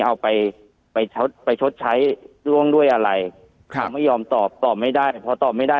เอาไปไปชดใช้ร่วมด้วยอะไรครับผมไม่ยอมตอบตอบไม่ได้พอตอบไม่ได้